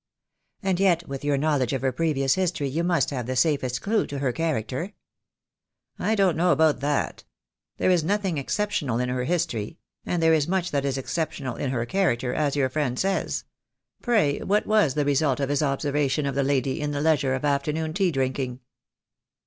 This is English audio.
"And yet with your knowledge of her previous history you must have the safest clue to her character." "I don't know about that. There is nothing ex ceptional in her history — and there is much that is ex ceptional in her character, as your friend says. Pray what was the result of his observation of the lady in the leisure of afternoon tea drinking?"